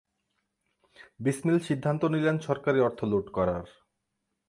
বিসমিল সিদ্ধান্ত নিলেন সরকারি অর্থ লুট করার।